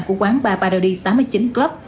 của quán bar paradisi tám mươi chín club